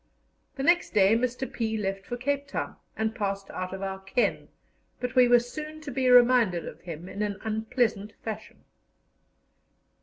The next day Mr. P. left for Cape Town, and passed out of our ken, but we were soon to be reminded of him in an unpleasant fashion.